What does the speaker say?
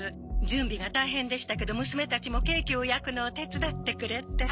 準備が大変でしたけど娘たちもケーキを焼くのを手伝ってくれて。